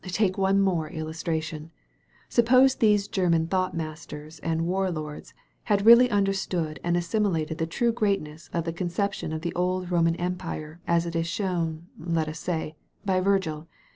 '*Take one more illustration. Suppose these German thought masters and war lords had really understood and assimilated the true greatness of the conception of the old Roman Empire as it is shown, let us say, by Virgil.